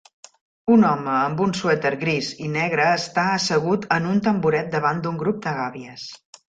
Un home amb un suèter gris i negre està assegut en un tamboret davant d'un grup de gàbies